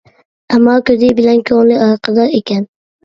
ئەمما كۆزى بىلەن كۆڭلى ئارقىدا ئىكەن.